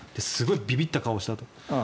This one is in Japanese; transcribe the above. すごいびびった顔をしたと。